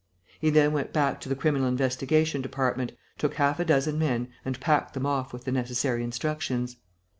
He then went back to the Criminal Investigation Department, took half a dozen men and packed them off with the necessary instructions.